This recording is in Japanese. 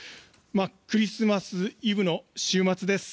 クリスマスイブの週末です。